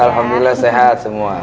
alhamdulillah sehat semua